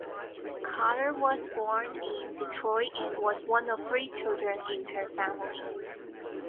Carter was born in Detroit and was one of three children in her family.